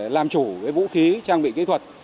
làm chủ với vũ khí trang bị kỹ thuật